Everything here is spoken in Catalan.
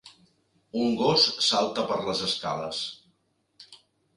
Un gos salta per les escales.